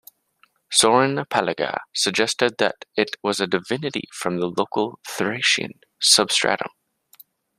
Sorin Paliga suggested that it was a divinity from the local Thracian substratum.